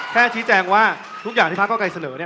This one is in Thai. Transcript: แค่ชี้แจงว่าทุกอย่างที่พระเก้าไกรเสนอเนี่ย